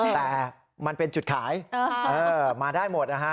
แต่มันเป็นจุดขายมาได้หมดนะฮะ